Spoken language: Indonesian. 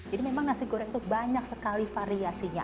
jadi memang nasi goreng itu banyak sekali variasinya